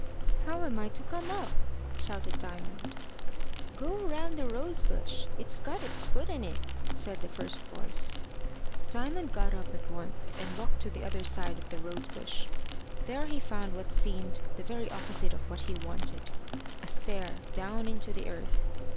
"How am I to come up?" shouted Diamond. "Go round the rose bush. It's got its foot in it," said the first voice. Diamond got up at once, and walked to the other side of the rose bush. There he found what seemed the very opposite of what he wanted a stair down into the earth.